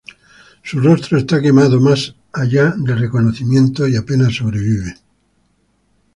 Su rostro está quemado más allá del reconocimiento, y apenas sobrevive.